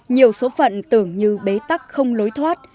nhiều số phận tưởng như bế tắc không lối thoát